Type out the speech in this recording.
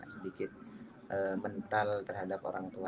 sedikit mental terhadap orang tua